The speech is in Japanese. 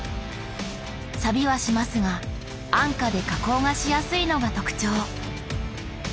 さびはしますが安価で加工がしやすいのが特徴。